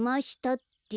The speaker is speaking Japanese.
って。